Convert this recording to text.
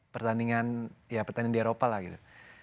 pertandingan ya pertandingan di eropa lah gitu